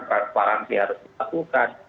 transparansi harus dilakukan